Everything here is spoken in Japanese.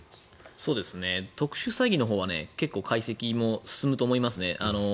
特殊詐欺のほうは結構、解析も進むと思いますね。